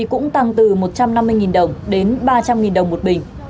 cũng tăng từ một trăm năm mươi đồng đến ba trăm linh đồng một bình